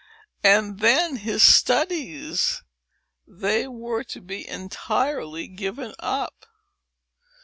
And then his studies! They were to be entirely given up.